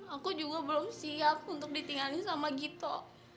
aku juga belum siap untuk ditinggalin sama gito